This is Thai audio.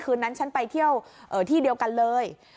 คืนนั้นฉันไปเที่ยวที่เดียวกันเลย